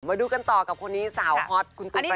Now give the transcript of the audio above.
มาดูกันต่อกับคนนี้สาวฮอตคุณปุ๊